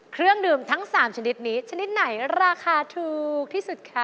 เครื่องดื่มทั้ง๓ชนิดนี้ชนิดไหนราคาถูกที่สุดคะ